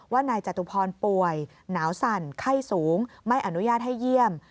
นายจตุพรป่วยหนาวสั่นไข้สูงไม่อนุญาตให้เยี่ยม